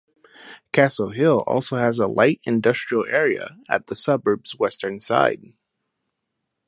Castle Hill also has a light industrial area at the suburb's western side.